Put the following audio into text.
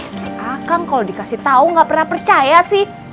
ih si akang kalau dikasih tahu gak pernah percaya sih